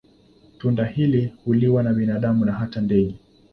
Tunda hili huliwa na binadamu na hata ndege.